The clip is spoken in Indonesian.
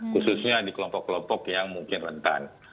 khususnya di kelompok kelompok yang mungkin rentan